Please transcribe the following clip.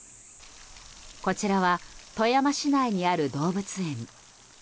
こちらは富山市内にある動物園。